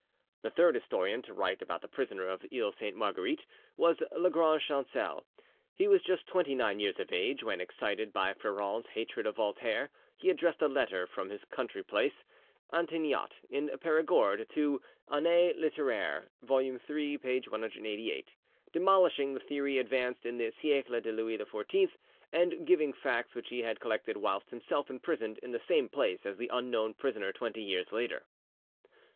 The third historian to write about the prisoner of the Iles Sainte Marguerite was Lagrange Chancel. He was just twenty nine years of age when, excited by Freron's hatred of Voltaire, he addressed a letter from his country place, Antoniat, in Perigord, to the 'Annee Litteraire' (vol. iii. p. 188), demolishing the theory advanced in the 'Siecle de Louis XIV', and giving facts which he had collected whilst himself imprisoned in the same place as the unknown prisoner twenty years later.